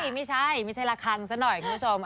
ไม่ใช่ละครังซะหน่อยคุณผู้ชม